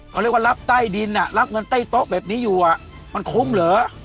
เขาเรียกว่ารับใต้ดินรับเงินใต้โต๊ะแบบนี้อยู่มันคุ้มเหรอ